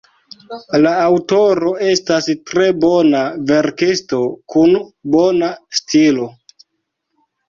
La aŭtoro estas tre bona verkisto, kun bona stilo.